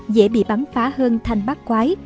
dễ bị bắn phá hơn thành bác quái